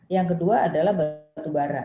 yang kedua adalah batu bara